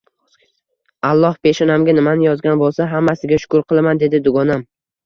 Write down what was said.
Alloh peshonamga nimani yozgan boʻlsa, hammasiga shukr qilaman, dedi dugonam